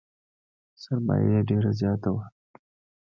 سرمایه یې ډېره زیاته وه .